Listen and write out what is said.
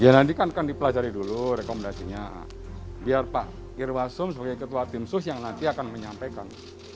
ya nanti kan akan dipelajari dulu rekomendasinya biar pak irwasum sebagai ketua tim sus yang nanti akan menyampaikan